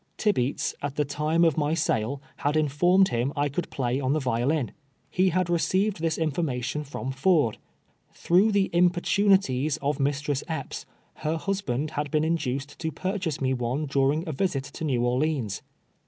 Tibeats, at the time of my sale, had informed him I could play on the violin. lie had receiv ed his information from Ford. Tln'ough the im portunities of Mistress Epps, her husband had been in duced to purchase me one during a visit to jS^ew Or leans.